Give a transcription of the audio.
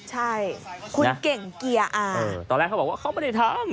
ใช่คุณเก่งเกียร์อาตอนแรกเขาบอกว่าเขาไม่ได้ทำ